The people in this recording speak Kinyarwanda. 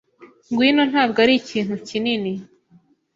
Ngwino, ntabwo arikintu kinini.